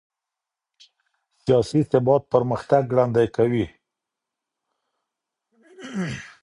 سياسي ثبات پرمختګ ګړندی کوي.